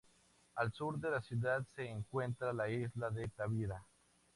Al sur de la ciudad se encuentra la isla de Tavira.